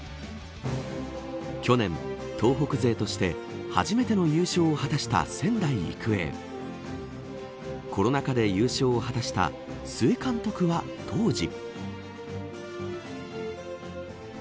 去年、東北勢として初めての優勝を果たした仙台育英コロナ禍で優勝を果たした須江監督は当時。